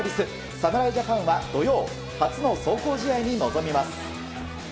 侍ジャパンは土曜初の壮行試合に臨みます。